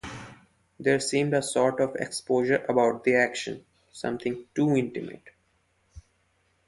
There seemed a sort of exposure about the action, something too intimate.